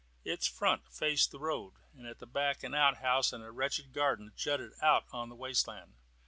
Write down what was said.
Its front faced the road, and at the back an outhouse and a wretched garden jutted out on the waste land.